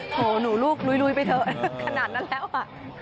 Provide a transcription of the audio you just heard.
โหหนูลูกลุยไปเถอะขนาดนั้นแล้วอ่ะ